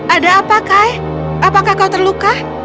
ada apa kay apakah kau terluka